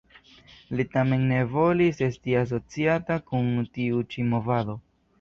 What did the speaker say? Li tamen ne volis esti asociata kun tiu ĉi movado.